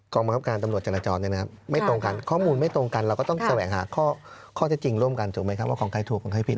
ข้อจะจริงร่วมกันถูกไหมครับว่าของใครถูกของใครผิด